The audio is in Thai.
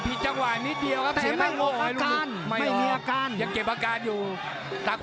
พี่จังวายนิดเดียวครับสีก็โก้ไอลูก